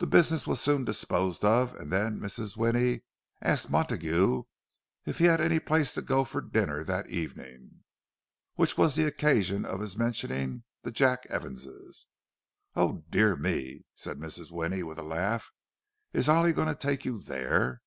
The business was soon disposed of, and then Mrs. Winnie asked Montague if he had any place to go to for dinner that evening: which was the occasion of his mentioning the Jack Evanses. "O dear me!" said Mrs. Winnie, with a laugh. "Is Ollie going to take you there?